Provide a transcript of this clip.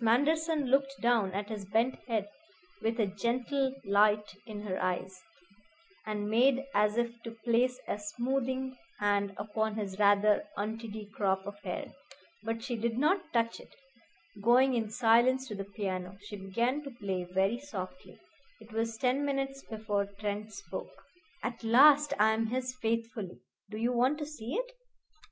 Manderson looked down at his bent head with a gentle light in her eyes, and made as if to place a smoothing hand upon his rather untidy crop of hair. But she did not touch it. Going in silence to the piano, she began to play very softly. It was ten minutes before Trent spoke. "At last I am his faithfully. Do you want to see it?"